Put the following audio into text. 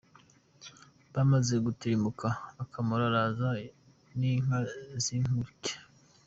Bamaze gutirimuka, amakoro araza n’inka z’inkuke.